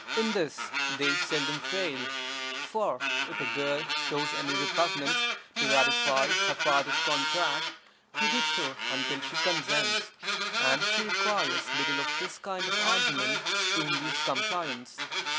In this they seldom fail; for if a girl shows any repugnance to ratify her father's contract, he whips her until she consents, and she requires little of this kind of argument to induce compliance.